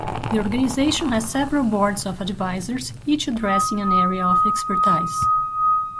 The organization has several boards of advisers, each addressing an area of expertise.